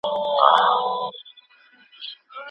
ورته جوړه په ګوښه کي هدیره سوه